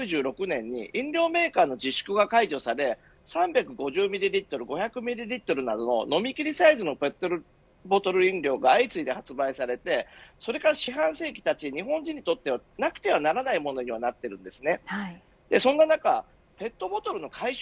リサイクルが進んだことによって１９９６年に飲料メーカーの自粛が解除され３５０ミリリットル５００ミリリットルの飲みきりサイズのペットボトル飲料が相次いで発売されてそれから四半世紀たち日本人とってなくてはならないものになっています。